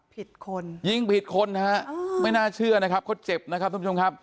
ผิดคนยิงผิดคนนะฮะไม่น่าเชื่อนะครับเขาเจ็บนะครับทุกผู้ชมครับ